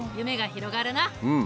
うん。